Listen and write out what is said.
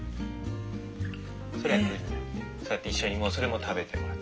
そうやって一緒にもうそれも食べてもらって。